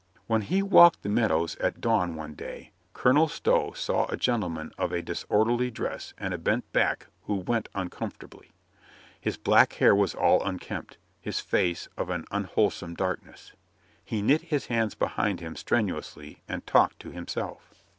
When he walked the meadows at dawn one day Colonel Stow saw a gentleman of a disorderly dress and a bent back who went uncomfortably. His black hair was all unkempt, his face of an unwholesome darkness. He knit his hands behind him strenuously and talked to himself.